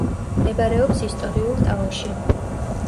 მდებარეობს ისტორიულ ტაოში.